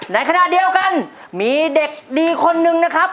ในขณะเดียวกันมีเด็กดีคนนึงนะครับ